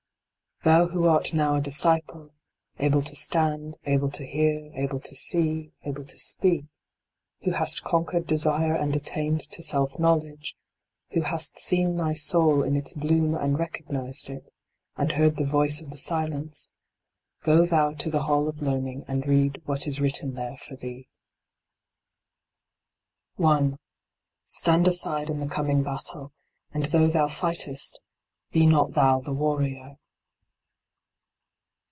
Thou who art now a disciple, able to stand, able to hear, able to see, able to speak, who hast conquered desire and attained to self knowledge, who hast seen thy soul in its bloom and recognised it, and heard the voice of the silence, go thou to the Hall of Learning and read what is written there for thee. I. Stand aside in the coming battle, and though thou fightest be not thou the warrior.